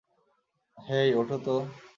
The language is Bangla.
হেই, উঠো তো!